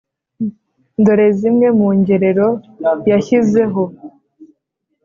dore zimwe mu ngerero yashyizeho